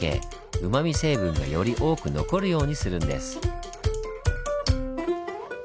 うまみ成分がより多く残るようにするんです。